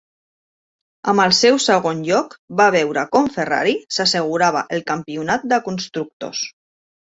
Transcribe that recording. Amb el seu segon lloc, va veure com Ferrari s'assegurava el campionat de constructors.